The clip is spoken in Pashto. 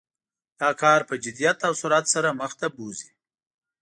دا کار په جدیت او سرعت سره مخ ته بوزي.